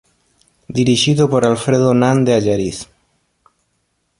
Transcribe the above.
Dirixido por Alfredo Nan de Allariz.